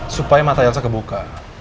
supaya mata elsa kebuka